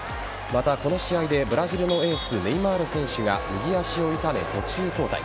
またこの試合でブラジルのエースネイマール選手が右足を痛め、途中交代。